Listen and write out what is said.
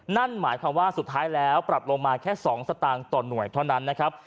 นั่นหมายความว่าสุดท้ายแล้วปรับลงมาแค่๒สตางค์ต่อหน่วยเท่านั้นนะครับ